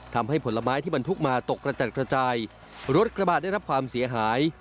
ผลไม้ที่บรรทุกมาตกกระจัดกระจายรถกระบาดได้รับความเสียหาย